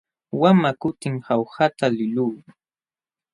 Wamaq kutim Jaujata liqluu.